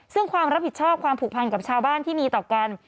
ซึ่งความรับผิดชอบความผูกพันกับชาวบ้านที่มีต่อกัน